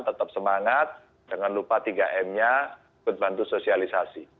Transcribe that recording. tetap semangat dengan lupa tiga m nya berbantu sosialisasi